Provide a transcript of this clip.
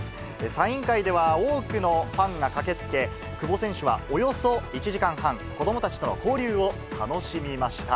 サイン会では、多くのファンが駆けつけ、久保選手はおよそ１時間半、子どもたちとの交流を楽しみました。